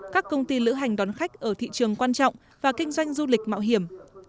các công ty lữ hành đón khách ở thị trường quan trọng và kinh doanh du lịch mạo hiểm